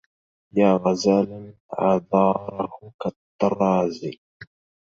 يا غزالا عذاره كالطراز